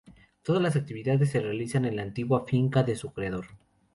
Todas las actividades se realizan en la antigua finca de su creador.